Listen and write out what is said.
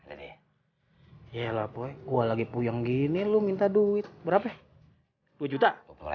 ini ya lah gue lagi puyeng gini lu minta duit berapa dua juta